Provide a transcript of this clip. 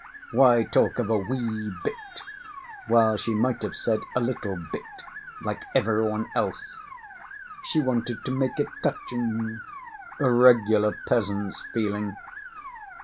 Why talk of a wee bit while she might have said 'a little bit,' like every one else? She wanted to make it touching, a regular peasant's feeling.